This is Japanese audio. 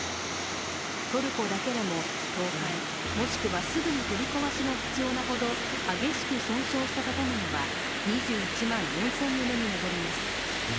トルコだけでも倒壊、もしくはすぐに取り壊しが必要なほど激しく損傷した建物は２１万４０００棟に上ります。